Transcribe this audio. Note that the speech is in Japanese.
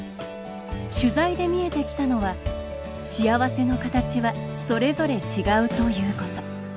取材で見えてきたのは幸せの形はそれぞれ違うということ。